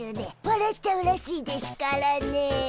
わらっちゃうらしいでしゅからね。